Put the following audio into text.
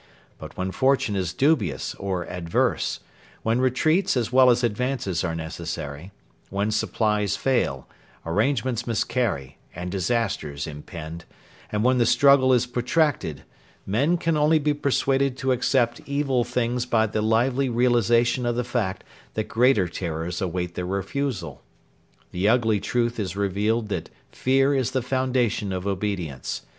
But when fortune is dubious or adverse; when retreats as well as advances are necessary; when supplies fail, arrangements miscarry, and disasters impend, and when the struggle is protracted, men can only be persuaded to accept evil things by the lively realisation of the fact that greater terrors await their refusal. The ugly truth is revealed that fear is the foundation of obedience.